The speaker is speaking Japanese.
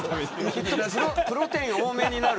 プロテイン多めになる。